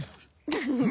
フフフフ！